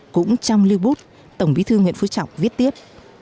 cũng trong lưu bút tổng bí thư nguyễn phú trọng viết tiếp